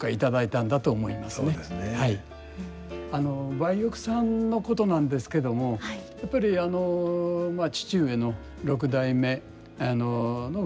梅玉さんのことなんですけどもやっぱり父上の六代目の歌右衛門さんの薫陶